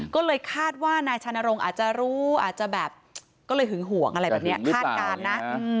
ก็เลยคาดว่านายชานรงค์อาจจะรู้อาจจะแบบก็เลยหึงห่วงอะไรแบบนี้คาดการณ์นะ